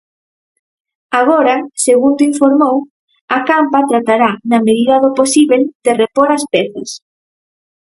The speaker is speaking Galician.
Agora, segundo informou, Acampa tratará, na medida do posíbel, de repor as pezas.